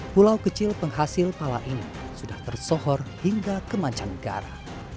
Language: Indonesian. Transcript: pulau kecil penghasil pala ini sudah tersohor hingga ke mancanegara